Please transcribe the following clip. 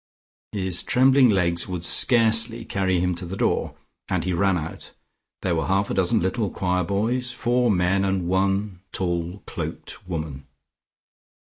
His trembling legs would scarcely carry him to the door, and he ran out. There were half a dozen little choir boys, four men and one tall cloaked woman....